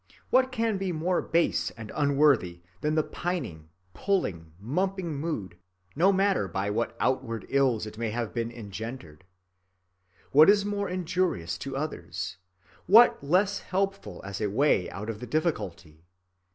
What can be more base and unworthy than the pining, puling, mumping mood, no matter by what outward ills it may have been engendered? What is more injurious to others? What less helpful as a way out of the difficulty?